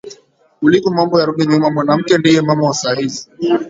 kuliko mambo ya rudi nyuma mwanamke ndiye mama wa saa hizi